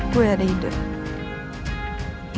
gue ada hidup